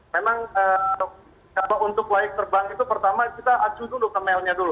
memang untuk laik terbang itu pertama kita acu dulu ke mailnya dulu